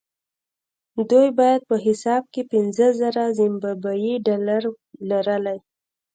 دوی باید په حساب کې پنځه زره زیمبابويي ډالر لرلای.